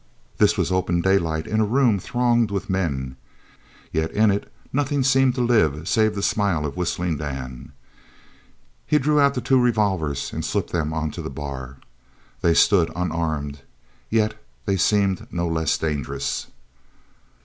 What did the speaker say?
This was open daylight in a room thronged with men, yet in it nothing seemed to live save the smile of Whistling Dan. He drew out the two revolvers and slipped them onto the bar. They stood unarmed, yet they seemed no less dangerous.